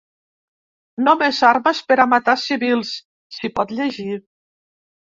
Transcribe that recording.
No més armes per a matar civils, s’hi pot llegir.